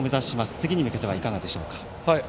次に向けてはいかがでしょうか。